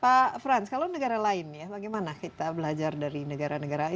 pak frans kalau negara lain ya bagaimana kita belajar dari negara negara